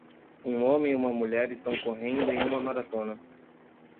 Um homem e uma mulher estão correndo em uma maratona.